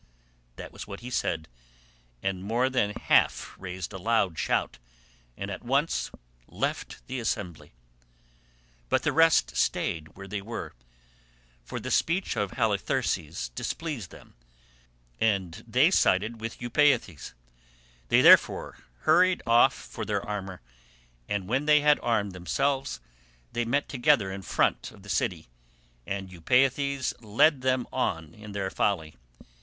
This was what he said, and more than half raised a loud shout, and at once left the assembly. But the rest stayed where they were, for the speech of Halitherses displeased them, and they sided with Eupeithes; they therefore hurried off for their armour, and when they had armed themselves, they met together in front of the city, and Eupeithes led them on in their folly.